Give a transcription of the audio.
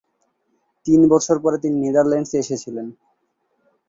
তিন বছর পরে তিনি নেদারল্যান্ডসে এসেছিলেন।